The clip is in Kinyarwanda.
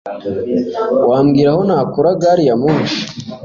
Wambwira aho nakura gari ya moshi?